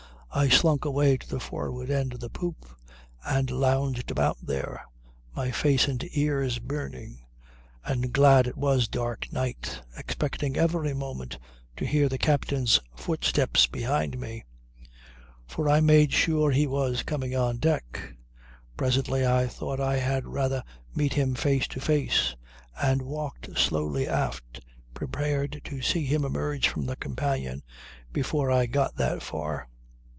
I slunk away to the forward end of the poop and lounged about there, my face and ears burning and glad it was a dark night, expecting every moment to hear the captain's footsteps behind me. For I made sure he was coming on deck. Presently I thought I had rather meet him face to face and I walked slowly aft prepared to see him emerge from the companion before I got that far.